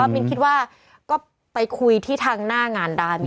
มินคิดว่าก็ไปคุยที่ทางหน้างานได้ไหม